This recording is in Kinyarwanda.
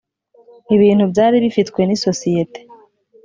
ibintu byari bifitwe n ‘isosiyete.